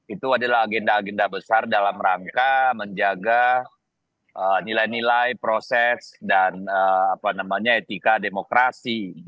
itu adalah agenda agenda besar dalam rangka menjaga nilai nilai proses dan etika demokrasi